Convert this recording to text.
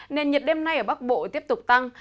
nền nhiệt đêm nay ở bắc bộ tiếp tục tăng